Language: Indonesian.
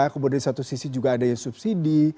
kemudian di satu sisi juga adanya subsidi